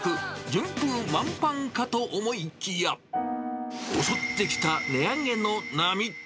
順風満帆かと思いきや、襲ってきた値上げの波。